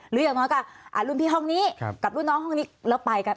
อย่างน้อยก็รุ่นพี่ห้องนี้กับรุ่นน้องห้องนี้แล้วไปกัน